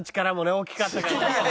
大きかったかな。